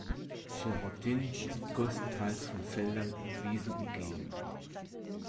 Žerotín ist größtenteils von Feldern und Wiesen umgeben.